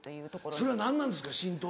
それは何なんですか？